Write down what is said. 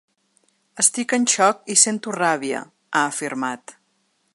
Estic en xoc i sento ràbia, ha afirmat.